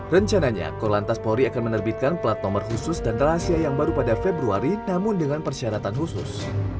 rencananya korlantas polri akan menerbitkan plat nomor khusus dan rahasia yang baru pada februari namun dengan persyaratan khusus